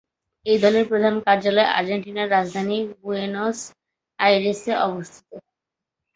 এই দলের প্রধান কার্যালয় আর্জেন্টিনার রাজধানী বুয়েনোস আইরেসে অবস্থিত।